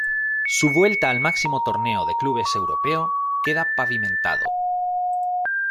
Su vuelta al máximo torneo de clubes europeo queda pavimentado.